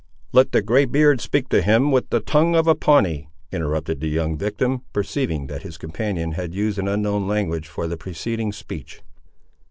"Let the grey beard speak to him with the tongue of a Pawnee," interrupted the young victim, perceiving that his companion had used an unknown language for the preceding speech.